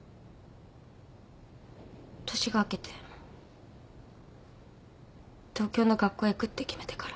年が明けて東京の学校へ行くって決めてから。